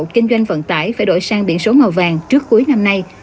kinh doanh vận tải phải đổi sang biển số màu vàng trước cuối năm nay